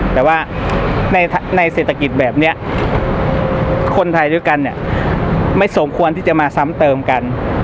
แต่ว่าในเศรษฐกิจแบบนี้คนไทยด้วยกันเนี่ยไม่สมควรที่จะมาซ้ำเติมกัน